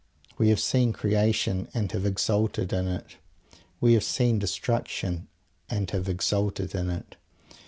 We have seen Creation, and have exulted in it. We have seen Destruction, and have exulted in it.